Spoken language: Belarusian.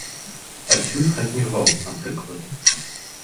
Адсюль хатні гвалт, напрыклад.